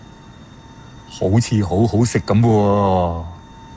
好似好好食咁喎